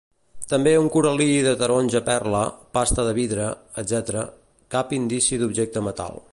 També un coral·lí de taronja perla, pasta de vidre, etc. Cap indici d'objecte metal.